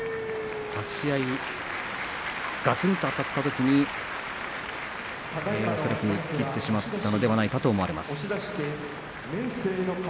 立ち合いガツンとあたったときに恐らく切ってしまったのではないかと思われます。